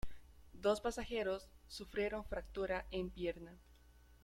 Dos pasajeros sufrieron fractura en pierna.